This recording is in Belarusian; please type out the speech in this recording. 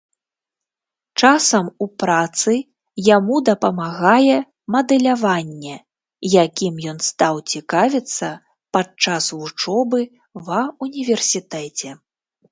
Часам у працы яму дапамагае мадэляванне, якім ён стаў цікавіцца падчас вучобы ва ўніверсітэце.